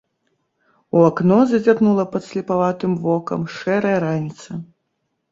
У акно зазірнула падслепаватым вокам шэрая раніца.